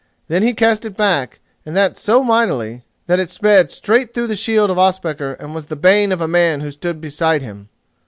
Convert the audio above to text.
Then he cast it back, and that so mightily that it sped right through the shield of Ospakar and was the bane of a man who stood beside him.